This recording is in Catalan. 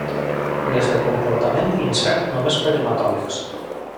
Les de comportament incert només per hematòlegs.